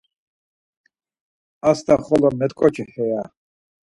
Astaxolo met̆k̆oçi heya!